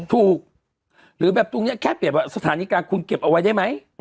ถูกหรือแบบตรงเนี่ยแค่มีสถานีการคุณเก็บไว้ได้ไหม